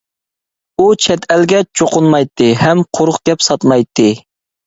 ئۇ چەت ئەلگە چوقۇنمايتتى ھەم قۇرۇق گەپ ساتمايتتى.